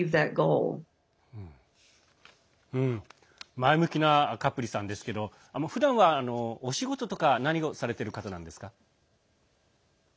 前向きなカプリさんですけどふだんはお仕事とか何をされている方なんですか？